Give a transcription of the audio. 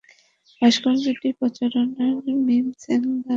ভাস্কর্যটির প্রচারণার থিম সংয়ে গান গাইতে পেরে সত্যিই অনেক ভালো লাগছে।